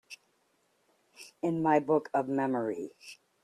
In my book of memory